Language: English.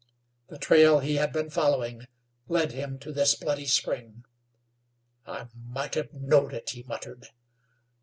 The trail he had been following led him to this bloody spring. "I might hev knowed it," he muttered.